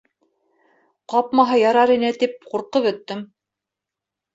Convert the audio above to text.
Ҡапмаһа ярар ине, тип ҡурҡып бөттөм.